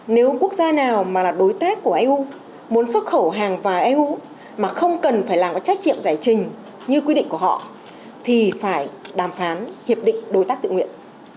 nếu quốc gia nào mà là đối tác của eu muốn xuất khẩu hàng vào eu mà không cần phải làm cái trách nhiệm giải trình như quy định của họ thì phải đàm phán hiệp định đối tác tự nguyện